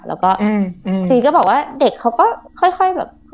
แล้วก็อืมอืมจี๋ก็บอกว่าเด็กเขาก็ค่อยค่อยแบบ